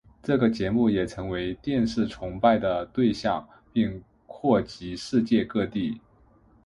这个节目也成为电视崇拜的对象并扩及世界各地。